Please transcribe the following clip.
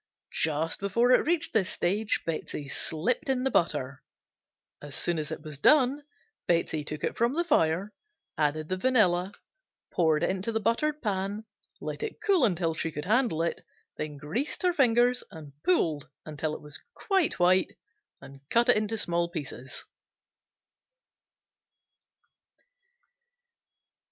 Just before it reached this stage Betsey slipped in the butter. As soon as it was done Betsey took it from the fire, added the vanilla, poured into the buttered pan, let it cool until she could handle it, then greased her fingers and pulled until it was quite white and cut into small pieces.